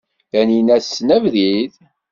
Taninna tessen abrid?